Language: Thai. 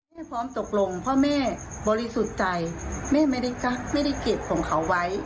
แม่พร้อมตกลงเพราะแม่บริสุทธิ์ใจแม่ไม่ได้กั๊กไม่ได้เก็บของเขาไว้